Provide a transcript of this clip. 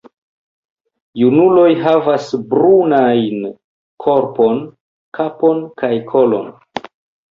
Junuloj havas brunajn korpon, kapon kaj kolon.